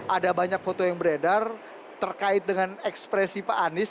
ada banyak foto yang beredar terkait dengan ekspresi pak anies